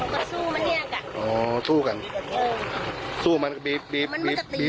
มันบอกห้องเต็มตะปกติเนื้อเข้าอยู่มันออดที